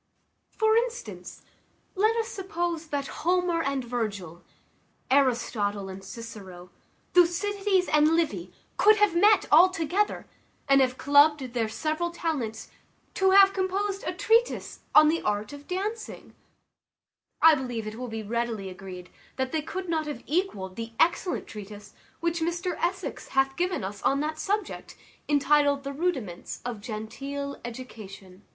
For instance, let us suppose that Homer and Virgil, Aristotle and Cicero, Thucydides and Livy, could have met all together, and have clubbed their several talents to have composed a treatise on the art of dancing: I believe it will be readily agreed they could not have equalled the excellent treatise which Mr Essex hath given us on that subject, entitled, The Rudiments of Genteel Education.